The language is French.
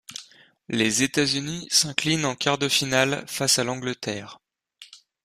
Les États-Unis s'inclinent en quart de finale face à l'Angleterre.